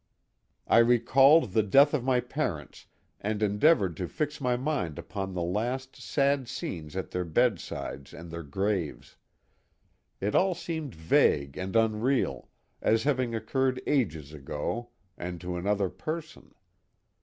I recalled the death of my parents and endeavored to fix my mind upon the last sad scenes at their bedsides and their graves. It all seemed vague and unreal, as having occurred ages ago and to another person.